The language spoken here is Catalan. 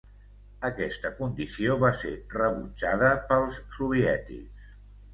Aquesta condició va ser rebutjada pels soviètics.